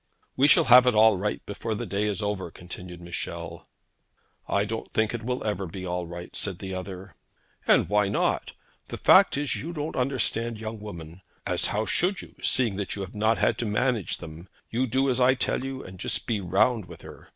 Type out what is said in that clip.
'We shall have it all right before the day is over,' continued Michel. 'I don't think it will ever be all right,' said the other. 'And why not? The fact is, you don't understand young women; as how should you, seeing that you have not had to manage them? You do as I tell you, and just be round with her.